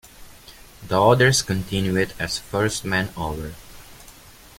The others continued as First Man Over.